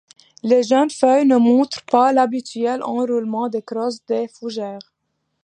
Les jeunes feuilles ne montrent pas l'habituel enroulement des crosses de fougères.